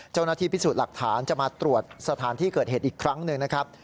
เจ้าหน้าที่พิสูจน์หลักฐานจะมาตรวจสถานที่เกิดเหตุอีกครั้งหนึ่งนะครับ